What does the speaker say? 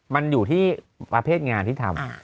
มันอยู่ที่ประเภทงานที่ทำ